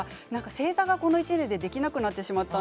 正座がこの１年でできなくなってしまいました。